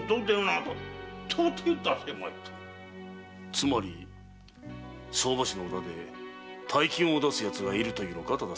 つまり相場師の裏で大金を出すヤツがいるというのか大岡。